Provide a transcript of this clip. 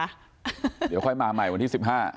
เดี๋ยวค่อยมาใหม่วันที่๑๕